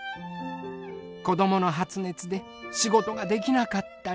子どもの発熱で仕事ができなかったり。